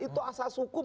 itu asas hukum